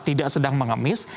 tidak sedang mengemis